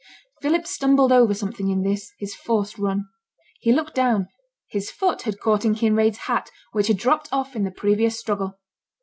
Philip stumbled over something in this, his forced run. He looked down; his foot had caught in Kinraid's hat, which had dropped off in the previous struggle.